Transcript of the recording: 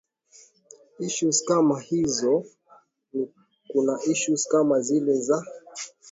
issues kama hizo ni kuna issues kama zile za degradation in terms of ee